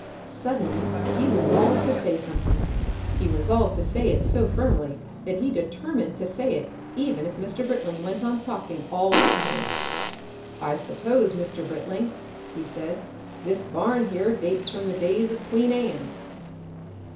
Suddenly he resolved to say something. He resolved to say it so firmly that he determined to say it even if Mr. Britling went on talking all the time. "I suppose, Mr. Britling," he said, "this barn here dates from the days of Queen Anne."